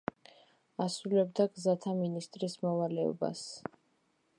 ასრულებდა გზათა მინისტრის მოვალეობას.